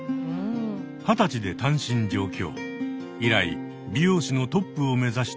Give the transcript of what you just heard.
二十歳で単身上京。